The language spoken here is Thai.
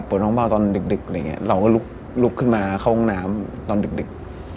ปวดท้องเบาตอนดึกเราก็ลุกขึ้นมาเข้าห้องน้ำตอนดึก